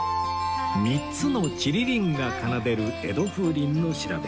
３つのチリリンが奏でる江戸風鈴の調べ